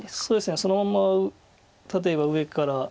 そうですねそのまま例えば上から。